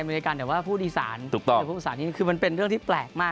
เมริกันแต่ว่าพูดอีสานถูกต้องแต่พูดภาษานี้คือมันเป็นเรื่องที่แปลกมาก